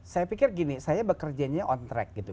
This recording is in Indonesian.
saya pikir gini saya bekerjanya on track gitu